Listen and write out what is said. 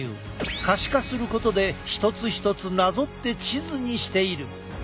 可視化することで一つ一つなぞって地図にしている。